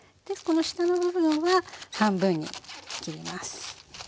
でこの下の部分は半分に切ります。